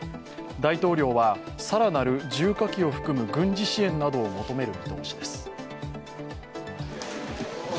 大統領は更なる重火器を含む軍事支援などを求める見通しです。